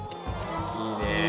いいね！